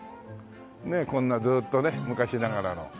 ねえこんなずっとね昔ながらの。